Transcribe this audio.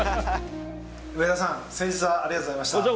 上田さん、先日はありがとうございました。